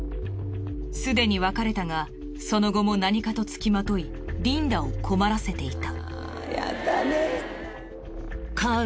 すでに別れたがその後も何かと付きまといリンダを困らせていた。